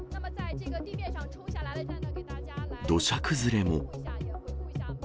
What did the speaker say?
土砂崩れも。